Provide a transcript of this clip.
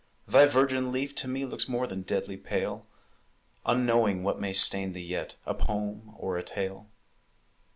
thy virgin leaf To me looks more than deadly pale, Unknowing what may stain thee yet, A poem or a tale.